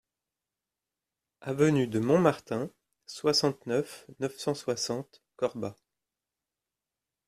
Avenue de Montmartin, soixante-neuf, neuf cent soixante Corbas